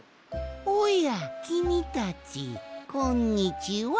おやきみたちこんにちは。